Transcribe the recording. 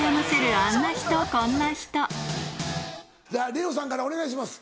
レオさんからお願いします。